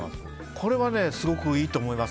これはすごくいいと思います。